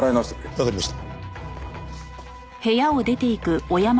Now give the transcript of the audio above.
わかりました。